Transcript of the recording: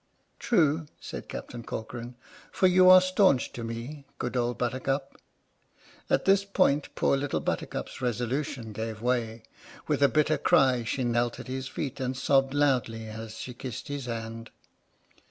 "True," said Captain Corcoran, "for you are staunch to me. Good old Buttercup! " At this point poor Little Buttercup's resolution gave way. With a bitter cry she knelt at his feet, and sobbed loudly as she kissed his hand.